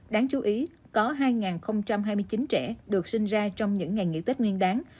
đáng chú ý có hai hai mươi chín trẻ được sinh ra trong những ngày nghỉ tết nguyên đáng